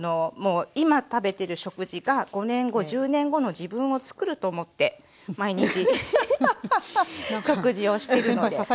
今食べてる食事が５年後１０年後の自分をつくると思って毎日食事をしてるので。